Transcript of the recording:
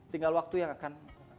tinggal waktu yang akan